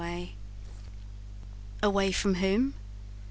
"Away from whom?